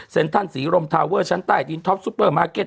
ทันศรีรมทาเวอร์ชั้นใต้ดินท็อปซุปเปอร์มาร์เก็ต